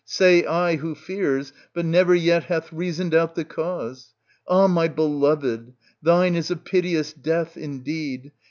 say I, who fears, but never yet hath reasoned out the cause. Ah ! my beloved, thine is a piteous death indeed